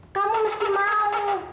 kamu mesti mau